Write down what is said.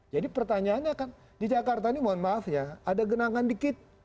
jadi pertanyaannya kan di jakarta ini mohon maaf ya ada genangan dikit